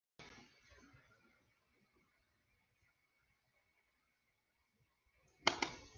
Sobrevive su esposa, Jeanette.